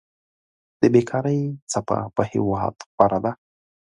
د بيکاري څپه په هېواد خوره ده.